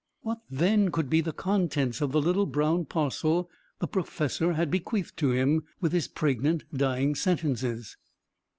What, then, could be the contents of the little brown parcel the professor had bequeathed to him with his pregnant dying sentences?